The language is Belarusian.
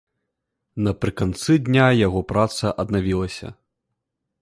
Напрыканцы дня яго праца аднавілася.